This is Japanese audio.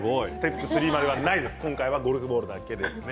ゴルフボールだけです。